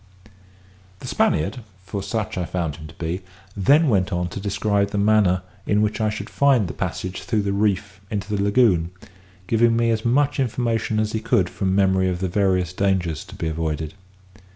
The Spaniard (for such I found him to be) then went on to describe the manner in which I should find the passage through the reef into the lagoon, giving me as much information as he could from memory of the various dangers to be avoided.